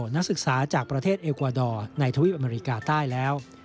นักศึกษาจากประเทศเอกวาดอร์ในทวีปอเมริกาใต้แล้ว